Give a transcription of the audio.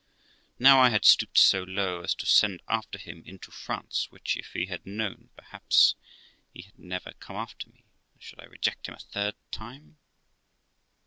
Now I had stooped so low as to send after him into France, which if he had known, perhaps, he had never come after me; and should I reject him a third time?